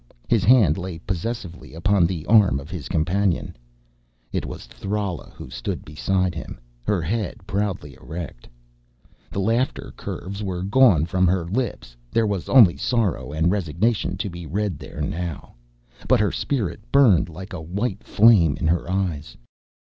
His hand lay possessively upon the arm of his companion. It was Thrala who stood beside him, her head proudly erect. The laughter curves were gone from her lips; there was only sorrow and resignation to be read there now. But her spirit burned like a white flame in her eyes.